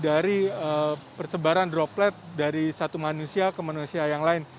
dari persebaran droplet dari satu manusia ke manusia yang lain